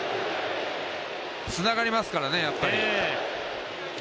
つながりますからね、やっぱり。